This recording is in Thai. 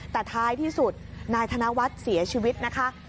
แต่ท้ายที่สุดนายธนวัฒน์เสียชีวิตนะคะ